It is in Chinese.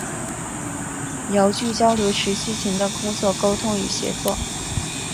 遥距交流持续性的工作沟通与协作